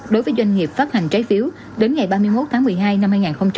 đối với doanh nghiệp phát hành trái phiếu đến ngày ba mươi một tháng một mươi hai năm hai nghìn hai mươi